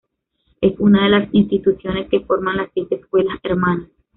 Es una de las instituciones que forman las Siete Escuelas Hermanas.